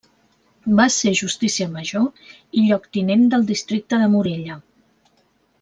Va ser justícia major i lloctinent del districte de Morella.